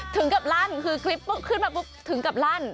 ถึงกับลั่นคือคลิปปุ๊บขึ้นมาปุ๊บถึงกับลั่น